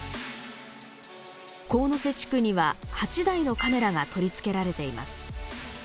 神瀬地区には８台のカメラが取り付けられています。